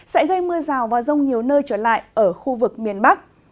sẽ gây mưa rào và rông nhiều nơi trở lại ở khu vực miền bắc